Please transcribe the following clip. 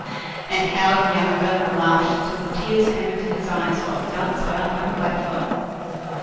And how the young villain laughed till the tears came into his eyes, while he danced about like a blackfellow.